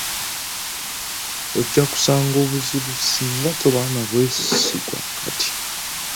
Ojja kusanga obuzibu singa toba nabwesigwa kati.